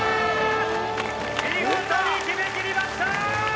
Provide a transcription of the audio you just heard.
見事に決めきりました！